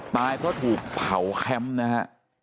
ตายก็ถูกเผาแคมป์นะฮะ